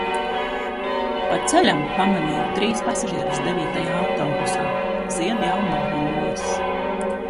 Pa ceļam pamanīju trīs pasažierus devītajā autobusā. Zied jau magnolijas.